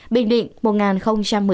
bình định một một mươi sáu